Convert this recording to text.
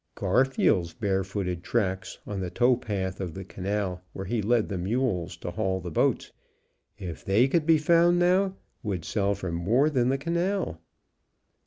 Garfield's barefooted tracks on the tow path of the canal where he led the mules to haul the boats, if they could be found now, would sell for more than the canal.